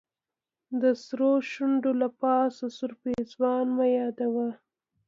د سرو شونډو له پاسه سور پېزوان مه یادوه.